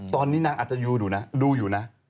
ตอนนี้นางอาจจะดูอยู่นะดูอยู่นะ